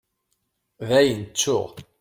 Dayen ttuɣ.